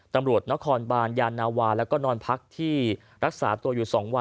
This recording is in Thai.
ตำรวจนครบานยานาวาแล้วก็นอนพักที่รักษาตัวอยู่๒วัน